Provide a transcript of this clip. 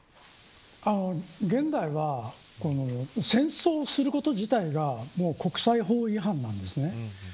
現代は、戦争をすること自体が国際法違反なんです。